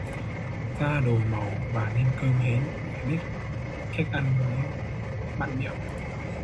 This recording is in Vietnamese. Gia đồ màu và nêm cơm hến phải biết cách ăn, mới mặn miệng